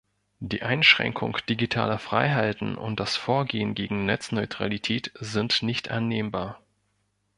Die Einschränkung digitaler Freiheiten und das Vorgehen gegen Netzneutralität sind nicht annehmbar.